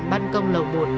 sàn băn công lầu một